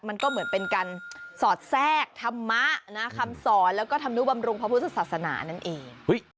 มันก็เหมือนเป็นการสอดแทรกธรรมะคำสอนแล้วก็ธรรมนุบำรุงพระพุทธศาสนานั่นเอง